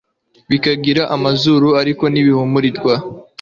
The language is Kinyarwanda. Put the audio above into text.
bikagira amazuru, ariko ntibihumurirwe